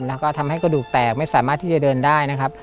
แล้วก็ทำให้กระดูกแตกไม่สามารถที่จะเดินได้นะครับ